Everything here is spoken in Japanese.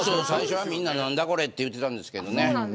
最初は、みんな何だ、これって言ってましたね。